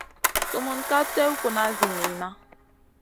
Sumun ka tèw kuna zi niyna.